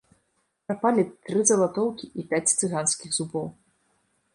Прапалі тры залатоўкі і пяць цыганскіх зубоў.